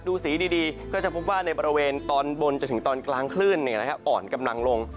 สีดีก็จะพบว่าในบริเวณตอนบนจนถึงตอนกลางคลื่นอ่อนกำลังลง